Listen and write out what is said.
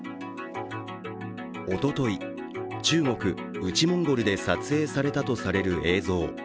おととい、中国・内モンゴルで撮影されたとされる映像。